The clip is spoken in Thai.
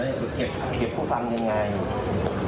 เชื่อมือเราเถอะจะมาบรรยายธรรมมา๒๐กว่าปี